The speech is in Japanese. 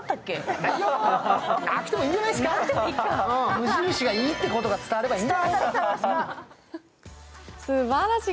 無印がいいってことが伝わればいい。